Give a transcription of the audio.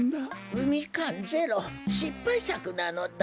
うみかんゼロしっぱいさくなのだ。